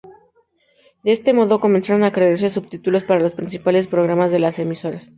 De este modo comenzaron a crearse subtítulos para los principales programas de las emisoras.